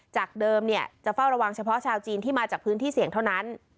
จากเดิมจะเฝ้าระวังเฉพาะชาวจีนที่มาจากพื้นที่เสี่ยงเท่านั้น